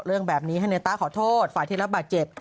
เรื่องแบบนี้ให้ในต้าขอโทษฝ่ายที่รับบาดเจ็บ